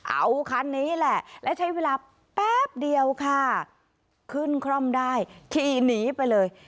เอาคันนี้แหละและใช้เวลาแป๊บเดียวค่ะขึ้นคร่อมได้ขี่หนีไปเลย